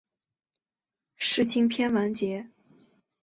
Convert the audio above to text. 世青篇完结。